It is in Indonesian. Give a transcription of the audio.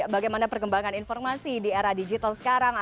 bagaimana perkembangan informasi di era digital sekarang